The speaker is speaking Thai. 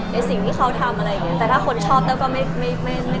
ในสิ่งที่เขาทำอะไรอย่างนี้แต่ถ้าคนชอบเต้าก็ไม่แตกอะไร